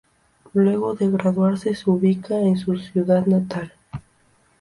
Luego de graduarse, se ubica en su ciudad natal.